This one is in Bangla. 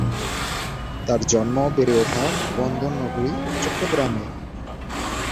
তার জন্ম ও বেড়ে ওঠা বন্দর নগরী চট্টগ্রামে।